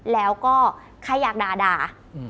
แล้วก็ใครอยากด่า